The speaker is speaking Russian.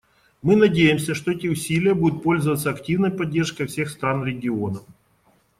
Мы надеемся, что эти усилия будут пользоваться активной поддержкой всех стран региона.